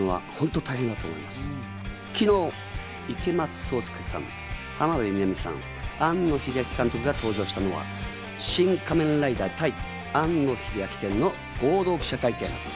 昨日、池松壮亮さん、浜辺美波さん、庵野秀明監督が登場したのは「シン・仮面ライダー対庵野秀明展」の合同記者会見。